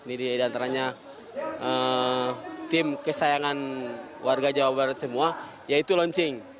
ini diantaranya tim kesayangan warga jawa barat semua yaitu launching